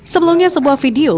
sebelumnya sebuah video